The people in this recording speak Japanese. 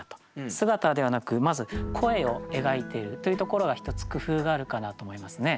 姿ではなくまず声を描いているというところが一つ工夫があるかなと思いますね。